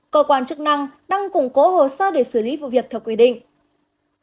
cơ quan chức năng đang củng cố hồ sơ để xử lý vụ việc theo quy định